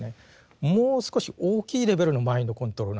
もう少し大きいレベルのマインドコントロールなんです。